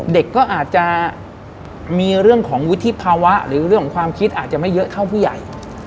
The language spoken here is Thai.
เด็กก็อาจจะมีเรื่องของวุฒิภาวะหรือเรื่องของความคิดอาจจะไม่เยอะเท่าผู้ใหญ่